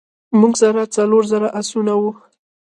زموږ سره څلور زره آسونه وه.